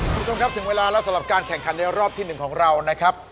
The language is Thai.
คุณผู้ชมครับถึงเวลาแล้วสำหรับการแข่งขันในรอบที่๑ของเรานะครับ